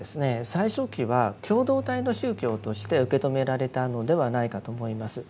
最初期は共同体の宗教として受け止められたのではないかと思います。